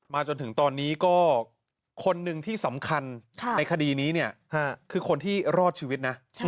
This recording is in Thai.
จนถึงตอนนี้ก็คนหนึ่งที่สำคัญในคดีนี้เนี่ยคือคนที่รอดชีวิตนะ